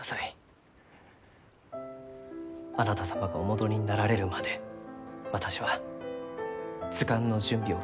あなた様がお戻りになられるまで私は図鑑の準備を懸命に進めちょきます。